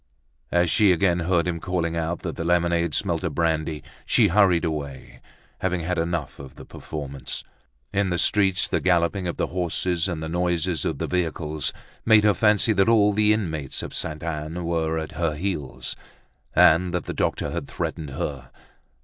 As she again heard him calling out that the lemonade smelt of brandy, she hurried away, having had enough of the performance. In the streets, the galloping of the horses and the noise of the vehicles made her fancy that all the inmates of Saint Anne were at her heels. And that the doctor had threatened her!